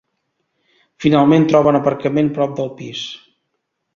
Finalment troben aparcament prop del pis.